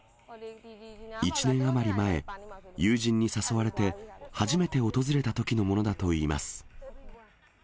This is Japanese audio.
１年余り前、友人に誘われて、初めて訪れたときのものだといいます。